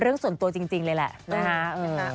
เรื่องส่วนตัวจริงเลยแหละนะคะ